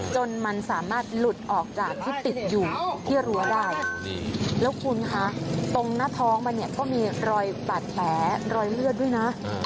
จนมันสามารถหลุดออกจากที่ติดอยู่ที่รั้วได้แล้วคุณคะตรงหน้าท้องมันเนี่ยก็มีรอยบาดแผลรอยเลือดด้วยนะ